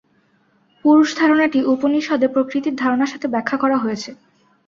পুরুষ ধারণাটি উপনিষদে প্রকৃতির ধারণার সাথে ব্যাখ্যা করা হয়েছে।